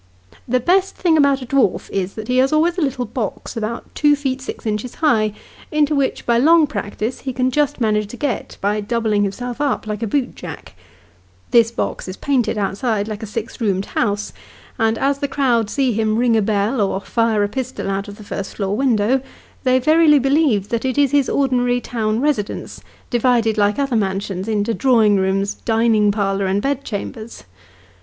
The best thing about a dwarf is, that he has always a little box, about two feet six inches high, into which, by long practice, he can just manage to get, by doubling himself up like a boot jack ; this box is painted The SJwws and the Ball room. 87 outside like a six roomed house, and as the crowd see him ring a bell, or fire a pistol out of the first floor window, they verily believe that it is his ordinary town residence, divided like other mansions into draw ing rooms, dining parlour, and bed chambers.